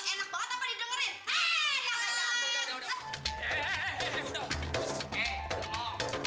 yak lo kata peraturan lo